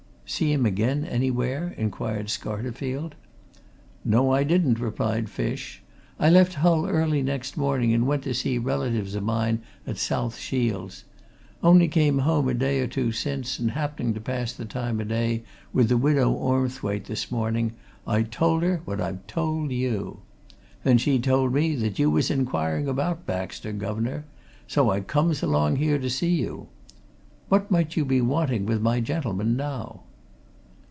"See him again anywhere?" inquired Scarterfield. "No, I didn't" replied Fish. "I left Hull early next morning, and went to see relatives o' mine at South Shields. Only came home a day or two since, and happening to pass the time o' day with widow Ormthwaite this morning, I told her what I've told you. Then she told me that you was inquiring about Baxter, guv'nor so I comes along here to see you. What might you be wanting with my gentleman, now?"